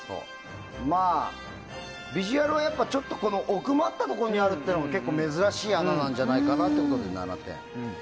まあ、ビジュアルはちょっと奥まったところにあるっていうのが結構、珍しい穴なんじゃないかと思って７点。